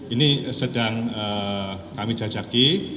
ini sedang kami jajaki